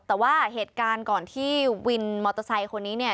แต่ว่าเหตุการณ์ก่อนที่วินมอเตอร์ไซค์คนนี้เนี่ย